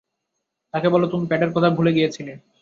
তাকে বলো তুমি প্যাডের কথা ভুলে গিয়েছিলে।